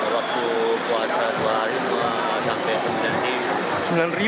waktu puasa dua hari